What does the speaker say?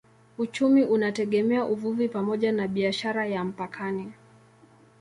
Uchumi unategemea uvuvi pamoja na biashara ya mpakani.